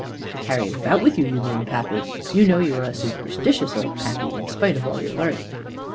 "To carry it about with you, you mean, Pappy. You know you are a superstitious old Pappy, in spite of all your learning."